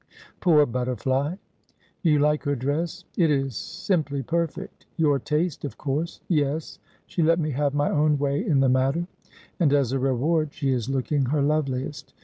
' Poor butterfly !'' Do you like her dress ?'' It is simply perfect. Your taste, of course.' ' Yes ; she let me have my own way in the matter.' ' And as a reward she is looking her loveliest.